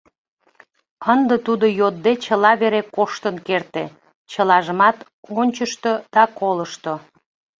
Ынде тудо йодде чыла вере коштын керте, чылажымат ончышто да колышто.